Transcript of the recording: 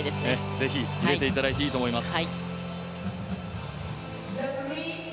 ぜひ入れていただいていいと思います。